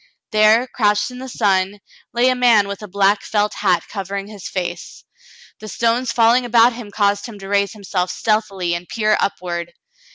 There, crouched in the sun, lay a man with a black felt hat covering his face. The stones falling about him caused him to raise himself stealthily and peer upward.